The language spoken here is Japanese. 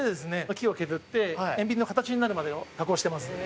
木を削って鉛筆の形になるまで加工をしています。